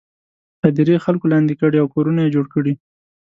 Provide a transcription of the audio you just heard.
هدیرې خلکو لاندې کړي او کورونه یې جوړ کړي.